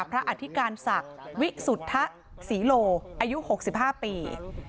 พระอธิการศักดิ์วิสุทธสีโลอายุหกสิบห้าปี